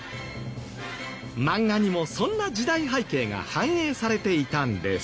漫画にもそんな時代背景が反映されていたんです。